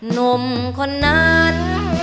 หนุ่มคนนั้น